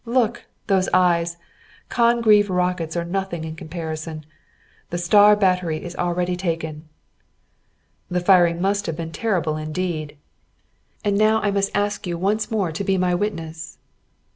Look! Those eyes! Congreve rockets are nothing in comparison. The star battery is already taken." "The firing must have been terrible indeed." "And now I must ask you once more to be my witness."